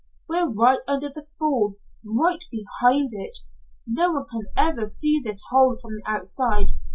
We're right under the fall right behind it. No one can ever see this hole from the outside.